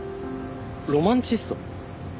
ロマンチスト？